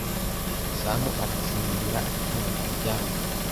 Sam arasinzira akimara kuryama.